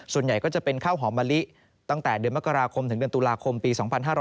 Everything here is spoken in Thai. ส่วนใหญ่ก็จะเป็นข้าวหอมมะลิตั้งแต่เดือนมกราคมถึงเดือนตุลาคมปี๒๕๕๙